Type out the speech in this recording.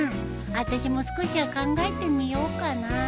あたしも少しは考えてみようかな。